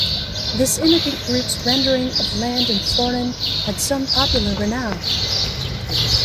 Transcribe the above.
This immigrant group's rendering of land in Florin had some popular renown.